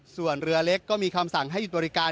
ส่วนเรือเล็กก็มีคำสั่งให้หยุดบริการ